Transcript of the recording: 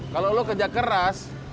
kalau lu kerja keras